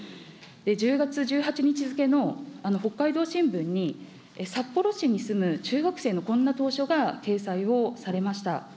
１０月１８日付の北海道新聞に、札幌市に住む中学生のこんな投書が掲載をされました。